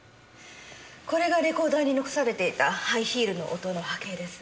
これがレコーダーに残されていたハイヒールの音の波形です。